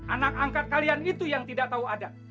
anak angkat kalian itu yang tidak tahu ada